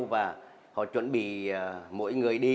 và họ chuẩn bị mỗi người đi